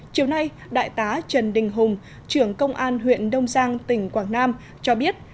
chiều nay đại tá trần đình hùng trưởng công an huyện đông giang tỉnh quảng nam cho biết